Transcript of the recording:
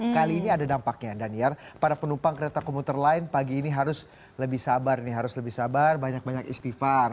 kali ini ada dampaknya daniar para penumpang kereta komuter lain pagi ini harus lebih sabar ini harus lebih sabar banyak banyak istighfar